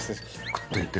くっ！といって。